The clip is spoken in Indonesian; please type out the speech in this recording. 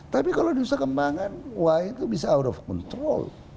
tapi kalau di nusa kembangan wah itu bisa out of control